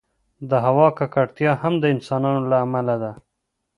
د هوا ککړتیا هم د انسانانو له امله ده.